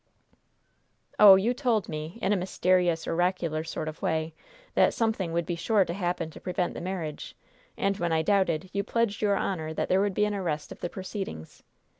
"Oh, you told me, in a mysterious, oracular sort of way, that something would be sure to happen to prevent the marriage; and, when I doubted, you pledged your honor that there would be an arrest of the proceedings.